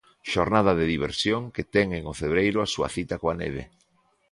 Xornada de diversión que ten en O Cebreiro a súa cita coa neve.